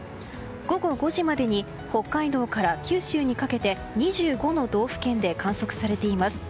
午後５時までに北海道から九州にかけて２５の道府県で観測されています。